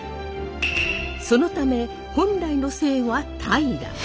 そのため本来の姓は平。